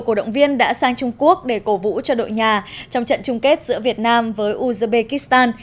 cổ động viên đã sang trung quốc để cổ vũ cho đội nhà trong trận chung kết giữa việt nam với uzbekistan